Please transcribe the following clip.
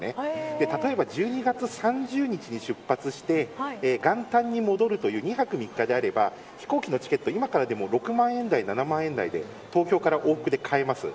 例えば１２月３０日に出発して元旦に戻るという２泊３日であれば飛行機のチケット、今からでも６万円台、７万円台で東京から往復で買えます。